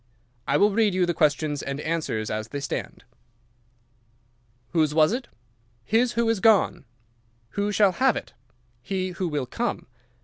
I will read you the questions and answers as they stand. "'Whose was it?' "'His who is gone.' "'Who shall have it?' "'He who will come.